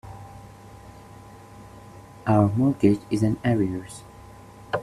Our mortgage is in arrears.